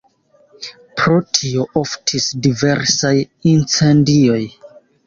Pro tio oftis diversaj incendioj.